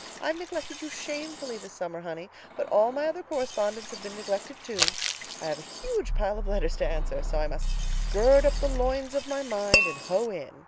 I've neglected you shamefully this summer, honey, but all my other correspondents have been neglected, too. I have a huge pile of letters to answer, so I must gird up the loins of my mind and hoe in.